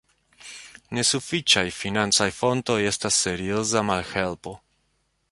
Nesufiĉaj financaj fontoj estas serioza malhelpo.